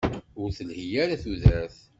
Ur telhi ara tudert?